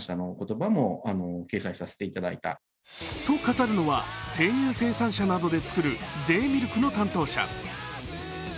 と語るのは生乳生産者などでつくるＪミルクの担当者。